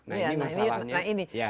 nah ini masalahnya